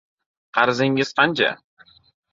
– Qarzingiz qancha?